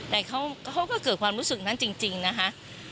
แต่เขาก็เกิดความรู้สึกนั้นจริงนะคะ